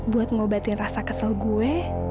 buat ngobatin rasa kesel gue